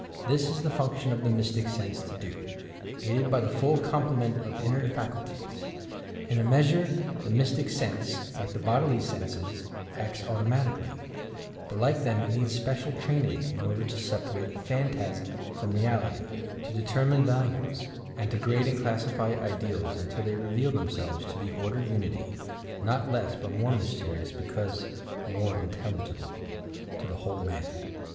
This is the function of the Mystic Sense to do, aided by the full complement of inner facnltiea. In a measure the Mystic Sense, like the bodily senses, acts automatically, but like them it needs special training in order to separate phantasm from reality, to determine values, and to grade and classify ideals until they reveal themselves to be ordered unity, not less but more mysterious because more intelligible ... to the whole man."